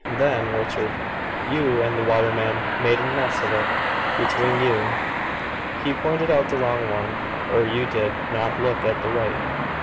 "Then, Richard, you and the waterman made a mess of it between you. He pointed out the wrong one, or you did not look at the right.